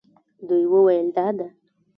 دوی وویل دا ده.